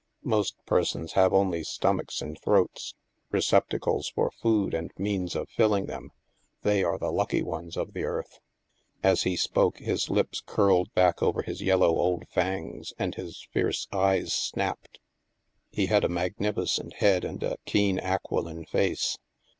Most persons have only stomachs and throats — recep tacles for food and means of filling them. They are the lucky ones of the earth." As he spoke, his lips curled back over his yellow old fangs, and his fierce eyes snapped. He had a magnificent head and a keen aquiline face.